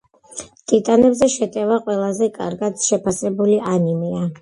ტიტანებზე შეტევა ყველაზე კარგად შეფასებული ანიმეა.